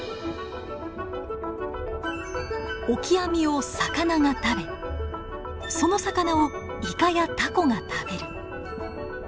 オキアミを魚が食べその魚をイカやタコが食べる。